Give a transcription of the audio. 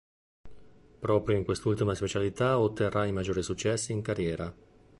Proprio in quest'ultima specialità otterrà i maggiori successi in carriera.